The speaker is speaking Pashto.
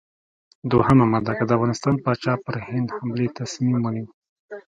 دوهمه ماده: که د افغانستان پاچا پر هند حملې تصمیم ونیو.